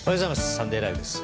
「サンデーＬＩＶＥ！！」です。